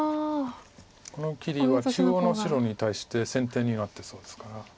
この切りは中央の白に対して先手になってそうですから。